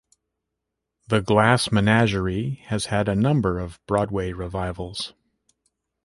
"The Glass Menagerie" has had a number of Broadway revivals.